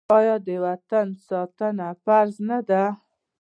آیا د وطن ساتنه فرض نه ده؟